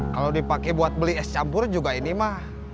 kalau dipakai buat beli es campur juga ini mah